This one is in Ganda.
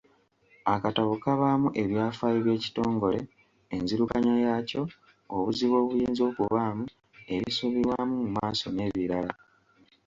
Akatabo kabaamu ebyafaayo by'ekitongole, enzirukanya yaakyo, obuzibu obuyinza okubaamu, ebisuubirwamu mu maaso n'ebirala.